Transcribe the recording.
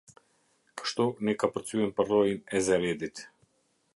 Kështu ne kapërcyem përroin e Zeredit.